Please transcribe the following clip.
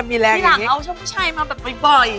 พี่หลังเอาช่วงผู้ชายมาบ่อย